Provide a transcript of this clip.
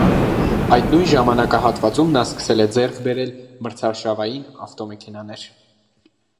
Այդ նույն ժամանակահատվածում նա սկսել է ձեռք բերել մրցարշավային ավտոմեքենաներ։